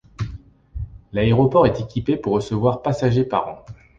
L'aéroport est équipé pour recevoir passagers par an.